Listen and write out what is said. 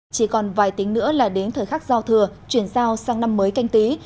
chỉ còn vài tiếng nữa là đến thời khắc giao thừa chuyển giao sang năm mới canh tí